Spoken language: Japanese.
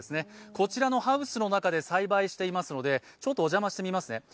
こちらのハウスの中で栽培していますので、ちょっとお邪魔してみますね。